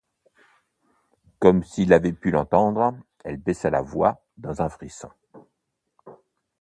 Comme s'il avait pu l'entendre, elle baissa la voix, dans un frisson.